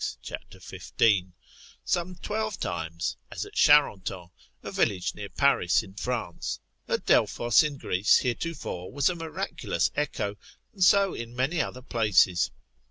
cap. 15. Some twelve times, as at Charenton, a village near Paris, in France. At Delphos, in Greece, heretofore was a miraculous echo, and so in many other places.